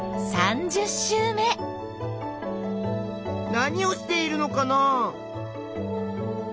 何をしているのかな？